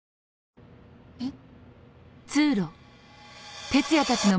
えっ？